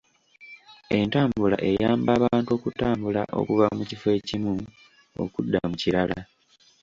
Entambula eyamba abantu okutambula okuva mu kifo ekimu okudda mu kirala.